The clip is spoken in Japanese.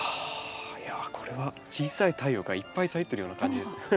あいやこれは小さい太陽がいっぱい咲いてるような感じです。